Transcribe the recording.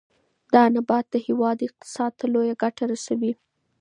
دا نبات د هېواد اقتصاد ته لویه ګټه رسوي.